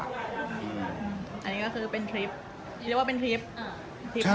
อันนี้ก็คือเป็นทริปนี่เรียกว่าเป็นทริปภูมิมีของเจ็บมัน